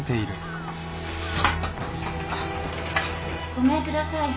・ごめんください。